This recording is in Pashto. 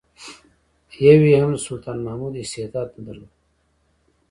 یو یې هم د سلطان محمود استعداد نه درلود.